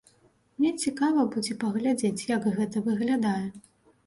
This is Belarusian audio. Мне цікава будзе паглядзець, як гэта выглядае.